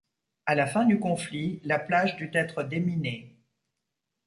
À la fin du conflit, la plage dut être déminée.